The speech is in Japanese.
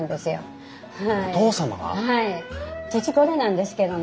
父これなんですけどね。